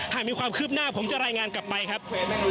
หากมีความคืบหน้าผมจะรายงานกลับไปครับ